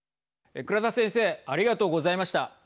倉田先生ありがとうございました。